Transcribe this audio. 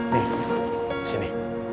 nih di sini